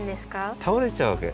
たおれちゃうわけ。